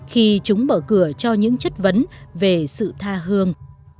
khi chúng mở cửa cho những chất vấn về sự tha hương